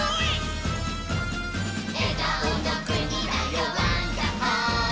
「えがおのくにだよワンダホー」